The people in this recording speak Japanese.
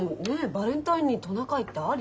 バレンタインにトナカイってアリ？